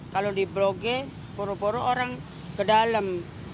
kalau di blok g puru puru orang ke dalam